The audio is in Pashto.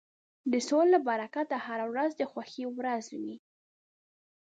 د سولې له برکته هره ورځ د خوښۍ ورځ وي.